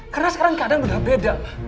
karena sekarang keadaan udah beda